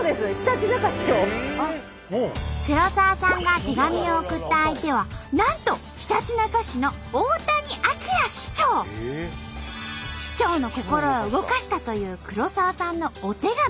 黒沢さんが手紙を送った相手はなんと市長の心を動かしたという黒沢さんのお手紙。